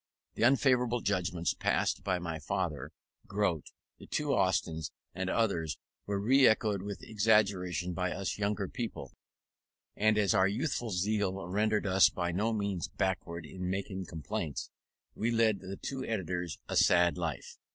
The unfavourable judgments passed by my father, Grote, the two Austins, and others, were re echoed with exaggeration by us younger people; and as our youthful zeal rendered us by no means backward in making complaints, we led the two editors a sad life.